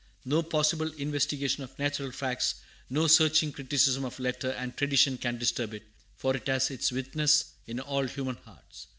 No possible investigation of natural facts; no searching criticism of letter and tradition can disturb it, for it has its witness in all human hearts.